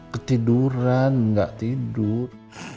ketiduran gak tidur